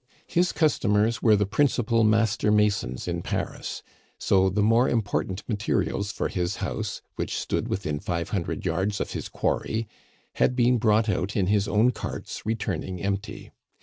His customers were the principal master masons in Paris, so the more important materials for his house, which stood within five hundred yards of his quarry, had been brought out in his own carts returning empty.